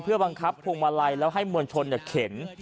บังคับพวงมาลัยแล้วให้มวลชนเข็น